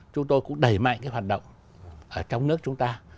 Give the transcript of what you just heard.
chúng tôi cũng đẩy mạnh cái hoạt động ở trong nước chúng ta